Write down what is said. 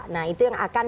nah itu yang akan